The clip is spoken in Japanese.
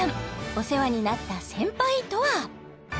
お世話になった先輩とは？